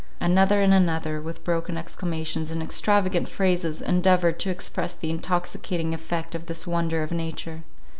Another and another, with broken exclamations, and extravagant phrases, endeavoured to express the intoxicating effect of this wonder of nature.